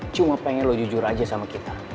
cuma pengen lo jujur aja sama kita